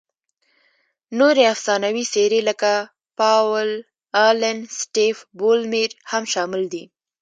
نورې افسانوي څېرې لکه پاول الن، سټیف بولمیر هم شامل دي.